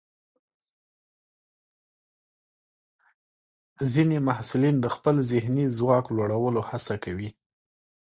ځینې محصلین د خپل ذهني ځواک لوړولو هڅه کوي.